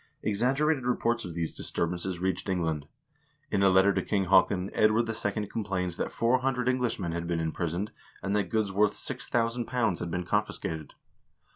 Exaggerated reports of these disturbances reached England. In a letter to King Haakon Edward II. complains that 400 Englishmen had been imprisoned, and that goods worth £0000 had been confiscated.